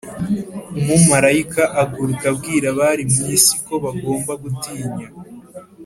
umumarayika aguruka abwira abari mu isi ko bagomba gutinya